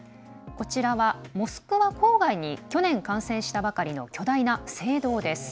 こちらは、モスクワ郊外に去年完成したばかりの巨大な聖堂です。